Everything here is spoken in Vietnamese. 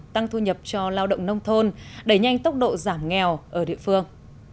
tăng thu nhập cho lao động nông thôn đẩy nhanh tốc độ giảm nghèo ở địa phương